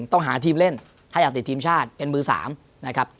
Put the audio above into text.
ต้องหาทีมเล่นถ้าอยากติดทีมชาติเป็นมือ๓นะครับ